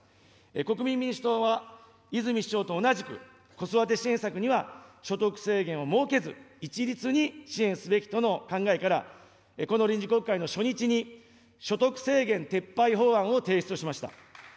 国民民主党は、泉市長と同じく子育て支援策には所得制限を設けず、一律に支援すべきとの考えから、この臨時国会の初日に所得制限撤廃法案を提出しました。